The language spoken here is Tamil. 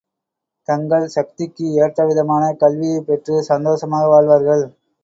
தங்கள் சக்திக்கு, ஏற்றவிதமான கல்வியைப் பெற்று சந்தோஷமாக வாழ்வார்கள்.